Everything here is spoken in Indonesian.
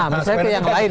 misalnya yang lain